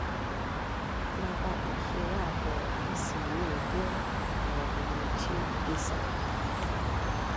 nakwa usoro a pụrụ isi wee gwọọ maọbụ gbochie ikesà ya